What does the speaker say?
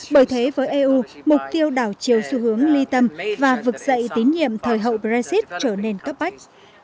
bởi thế với eu mục tiêu đảo chiều xu hướng ly tâm và vực dậy tín nhiệm thời hậu brexit trở nên cấp bách